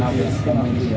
masa yang disorganisasinya